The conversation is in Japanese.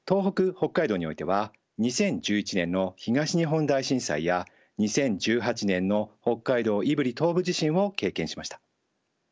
北海道においては２０１１年の東日本大震災や２０１８年の北海道胆振東部地震を経験しました。